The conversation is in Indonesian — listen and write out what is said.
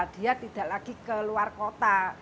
dia tidak lagi ke luar kota